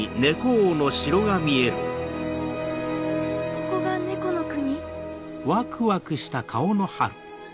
ここが猫の国？